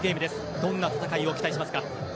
どんな戦いを期待しますか。